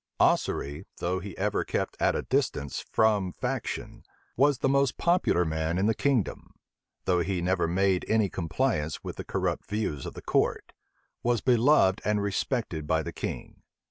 Ossory, though he ever kept at a distance from faction, was the most popular man in the kingdom; though he never made any compliance with the corrupt views of the court, was beloved and respected by the king.